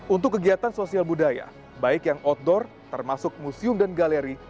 untuk kegiatan sosial budaya baik yang outdoor termasuk museum dan galeri